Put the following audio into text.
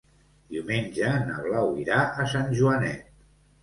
Diumenge na Blau irà a Sant Joanet.